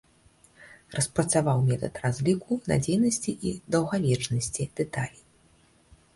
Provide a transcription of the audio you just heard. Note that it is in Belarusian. Распрацаваў метад разліку надзейнасці і даўгавечнасці дэталей.